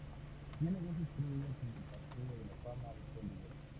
Tiene dos estrellas en el Paseo de la Fama de Hollywood.